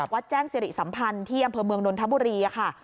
วัดแจ้งสิริสัมพันธ์ที่อำเภอเมืองนนทบุรีค่ะ